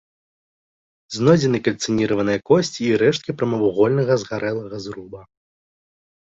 Знойдзены кальцыніраваныя косці і рэшткі прамавугольнага згарэлага зруба.